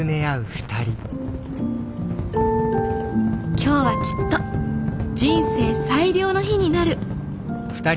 今日はきっと人生最良の日になる。